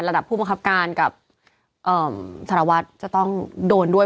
ระดับพูดปังคับการกับสรวจจะต้องโดนด้วย